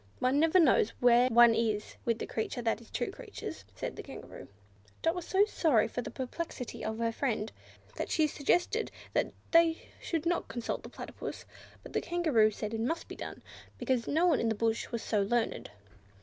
One never knows where one is with a creature that is two creatures," said the Kangaroo. Dot was so sorry for the perplexity of her friend, that she suggested that they should not consult the Platypus. But the Kangaroo said it must be done, because no one in the bush was so learned.